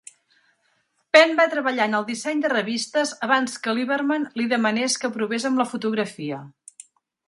Penn va treballar en el disseny de revistes abans que Liberman li demanés que provés amb la fotografia.